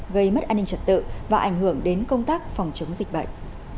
gây mất an ninh trật tự và ảnh hưởng đến công tác phòng chống dịch bệnh